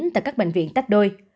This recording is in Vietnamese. tại các bệnh viện tách đôi